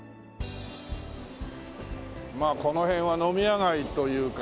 まあこの辺は飲み屋街というかね。